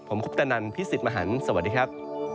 ผมคุปตะนันพี่สิทธิ์มหันฯสวัสดีครับ